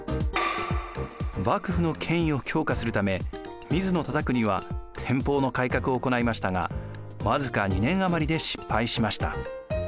幕府の権威を強化するため水野忠邦は天保の改革を行いましたが僅か２年余りで失敗しました。